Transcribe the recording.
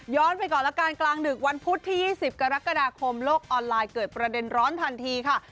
ไปก่อนละกันกลางดึกวันพุธที่๒๐กรกฎาคมโลกออนไลน์เกิดประเด็นร้อนทันทีค่ะ